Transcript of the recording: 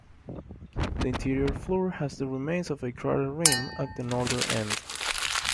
The interior floor has the remains of a crater rim at the northern end.